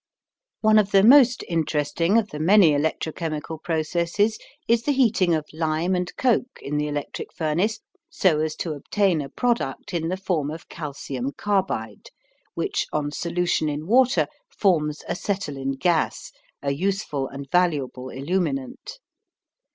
One of the most interesting of the many electro chemical processes is the heating of lime and coke in the electric furnace so as to obtain a product in the form of calcium carbide, which, on solution in water, forms acetylene gas, a useful and valuable illuminant.